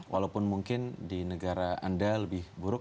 walaupun mungkin di negara anda lebih buruk